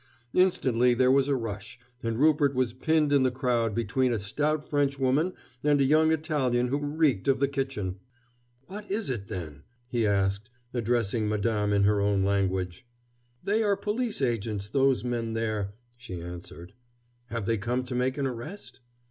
Instantly there was a rush, and Rupert was pinned in the crowd between a stout Frenchwoman and a young Italian who reeked of the kitchen. "What is it, then?" he asked, addressing madame in her own language. "They are police agents, those men there," she answered. "Have they come to make an arrest?"